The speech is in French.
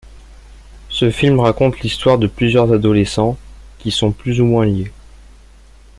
Ce film raconte l'histoire de plusieurs adolescents, qui sont plus ou moins liés.